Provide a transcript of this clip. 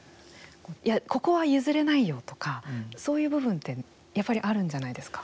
いや、ここは譲れないよとかそういう部分ってやっぱりあるんじゃないですか。